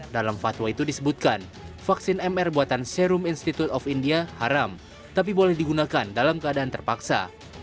dalam fatwa itu disebutkan vaksin mr buatan serum institute of india haram tapi boleh digunakan dalam keadaan terpaksa